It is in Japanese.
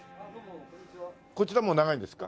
こちらもう長いんですか？